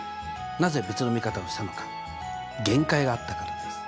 なぜ別の見方をしたのか限界があったからです。